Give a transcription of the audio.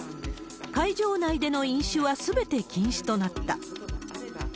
会場内での飲酒はすべて禁止となった。